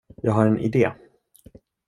Jag har en idé.